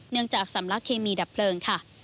จากสำลักเคมีดับเพลิงค่ะ